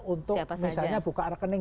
untuk misalnya buka rekening